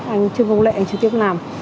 anh trương công lệ trực tiếp làm